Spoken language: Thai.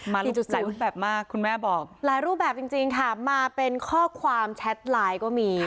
มันหลายรูปแบบมากคุณแม่บอกหลายรูปแบบจริงค่ะมาเป็นข้อความแชทไลน์ก็มี